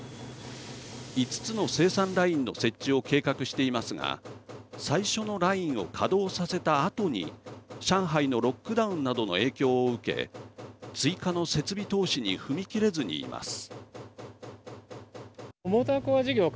５つの生産ラインの設置を計画していますが最初のラインを稼働させたあとに上海のロックダウンなどの影響を受け追加の設備投資に踏み切れずにいます。